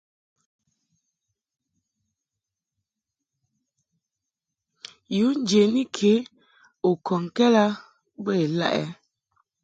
Yu njeni ke yi u kɔŋkɛd a bə ilaʼɛ ?